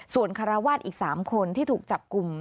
ส่วนคาราวาสอีก๓คนที่ถูกจับกลุ่ม